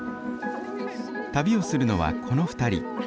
旅をするのはこの２人。